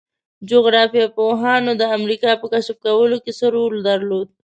جغرافیه پوهانو د امریکا په کشف کولو کې څه رول درلود؟